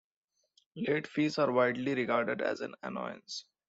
Late fees are widely regarded as an annoyance.